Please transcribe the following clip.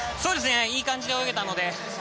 いい感じで泳げたので。